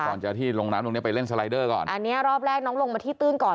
ก่อนจะที่ลงน้ำตรงเนี้ยไปเล่นสไลเดอร์ก่อนอันเนี้ยรอบแรกน้องลงมาที่ตื้นก่อน